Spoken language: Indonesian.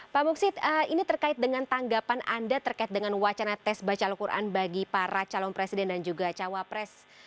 pak muksid ini terkait dengan tanggapan anda terkait dengan wacana tes baca al quran bagi para calon presiden dan juga cawapres